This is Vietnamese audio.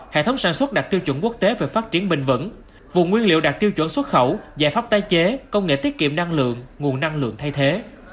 hệ thống sản xuất đạt tiêu chuẩn quốc tế về phát triển bình vẩn vùng nguyên liệu đạt tiêu chuẩn xuất khẩu giải pháp tái chế công nghệ tiết kiệm năng lượng nguồn năng lượng thay thế